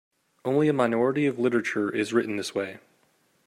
Only a minority of literature is written this way.